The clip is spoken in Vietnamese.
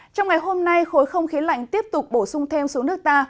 trong ngày hôm nay khối không khí lạnh tiếp tục bổ sung thêm xuống nước ta